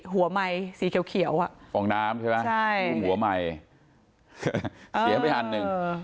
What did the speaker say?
หัวใหม่สีเขียวเขียวอ่ะฟองน้ำใช่ไหมใช่หัวใหม่เสียไปอันหนึ่ง